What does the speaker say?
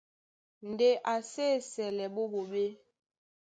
Ndé a sí esɛlɛ ɓó ɓoɓé.